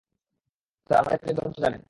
Sir, আমাদের কাজের ধরণ তো জানেন।